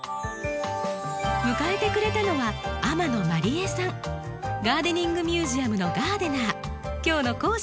迎えてくれたのはガーデニングミュージアムのガーデナー。